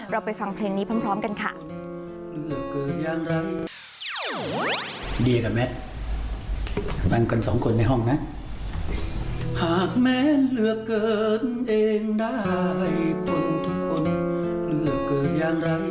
ไปฟังเพลงนี้พร้อมกันค่ะ